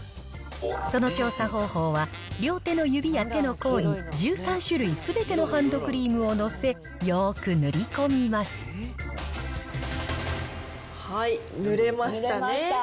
その調査方法は、両手の指や手の甲に１３種類すべてのハンドクリームをはい、塗れましたね。